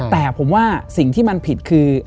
แต่ผมว่าสิ่งที่มันผิดคือ